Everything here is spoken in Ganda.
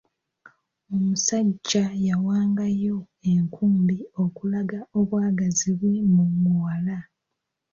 Omusajja yawangayo enkumbi okulaga obwagazi bwe mu muwala.